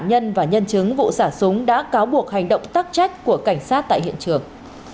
nhân và nhân chứng vụ xả súng đã cáo buộc hành động tắc trách của cảnh sát tại hiện trường